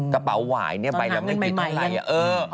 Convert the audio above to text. กระเป๋าวายนี่ไปแล้วไม่คิดอะไรตอนทำงานใหม่ยัง